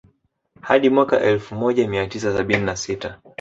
Hadi mwaka elfu moja mia tisa sabini na sita